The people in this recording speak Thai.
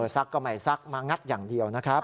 ซักก็ไม่ซักมางัดอย่างเดียวนะครับ